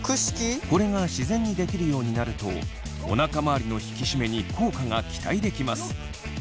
これが自然にできるようになるとおなか周りの引き締めに効果が期待できます。